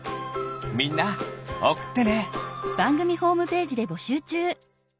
みんなおくってね。